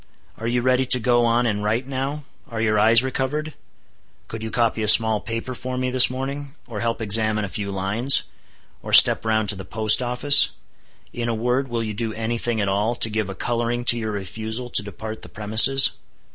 "Are you ready to go on and write now? Are your eyes recovered? Could you copy a small paper for me this morning? or help examine a few lines? or step round to the post office? In a word, will you do any thing at all, to give a coloring to your refusal to depart the premises?"